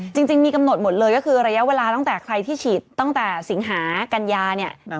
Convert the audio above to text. จริงมีกำหนดหมดเลยก็คือระยะเวลาตั้งแต่ใครที่ฉีดตั้งแต่สิงหากัญญาเนี่ย